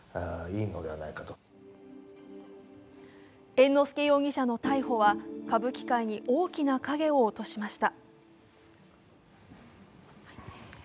猿之助容疑者の逮捕は歌舞伎界に大きな影を落としました。